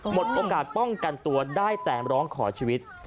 หมดโอกาสป้องกันตัวได้แต่ร้องขอชีวิต